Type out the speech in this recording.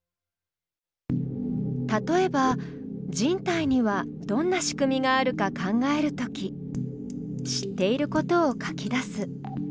例えば人体にはどんなしくみがあるか考えるとき知っていることを書き出す。